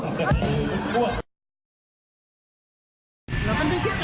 หลับมาดูคลิปเก่ามาแล้วใช่ไหมคะ